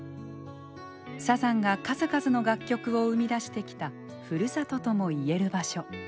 サザンが数々の楽曲を生み出してきた「ふるさと」ともいえる場所。